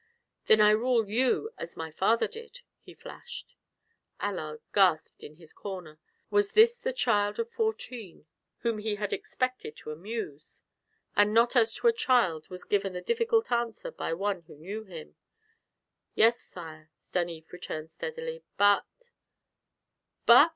"Then I rule you, as my father did," he flashed. Allard gasped in his corner; was this the child of fourteen whom he had expected to amuse? And not as to a child was given the difficult answer by the one who knew him. "Yes, sire," Stanief returned steadily. "But " "But!